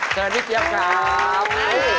เชิญพี่เจี๊ยบครับ